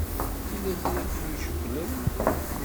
Yella kra i ken-icewwlen?